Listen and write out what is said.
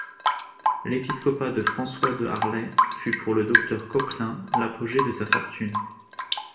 L'épiscopat de François de Harlay fut pour le docteur Cocquelin l'apogée de sa fortune.